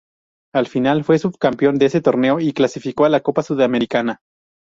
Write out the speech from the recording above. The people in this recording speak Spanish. Al final fue subcampeón de ese torneo y clasificó a la Copa Sudamericana.